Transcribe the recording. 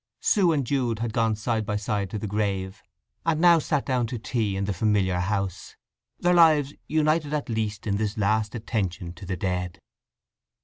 Sue and Jude had gone side by side to the grave, and now sat down to tea in the familiar house; their lives united at least in this last attention to the dead.